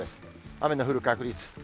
雨の降る確率。